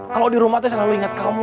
kalo di rumah tuh selalu inget kamu